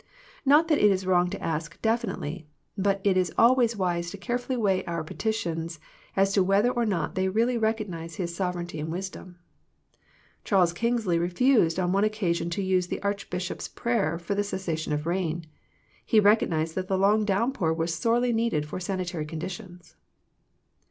Not that it is wrong to ask definitely, but it is always wise to carefully weigh our petitions as to whether or not they really recognize His sover eignty and wisdom. Charles Kingsley refused on one occasion to use the Archbishop's prayer for the cessation of rain. He recognized that the long downpour was sorely needed for sanitary conditions.